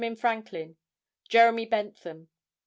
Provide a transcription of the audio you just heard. Franklin; Jeremy Bentham.